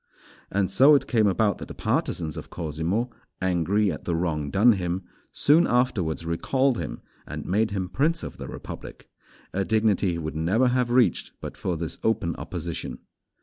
And so it came about that the partisans of Cosimo, angry at the wrong done him, soon afterwards recalled him and made him prince of the republic, a dignity he never would have reached but for this open opposition.